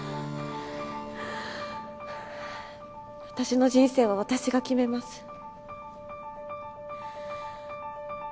私の人生は私が決めます。